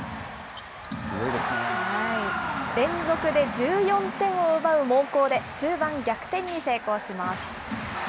連続で１４点を奪う猛攻で終盤、逆転に成功します。